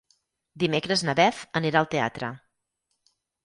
Dimecres na Beth anirà al teatre.